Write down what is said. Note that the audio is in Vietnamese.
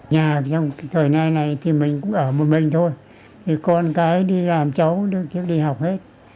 nhà trong thời nay này thì mình ở một mình thôi thì con cái đi làm cháu cháu đi học hết